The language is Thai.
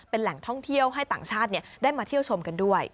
เป็นแหล่งท่องเที่ยวให้ต่างชาติได้มาเที่ยวชมกันด้วย